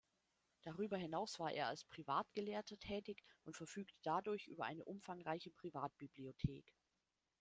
Darüber hinaus war er als Privatgelehrter tätig und verfügte dadurch über eine umfangreiche Privatbibliothek.